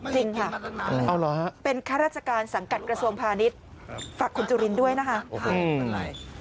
จริงค่ะเป็นข้าราชการสังกัดกระทรวงพาณิชย์ฝากคุณจุลินด้วยนะคะ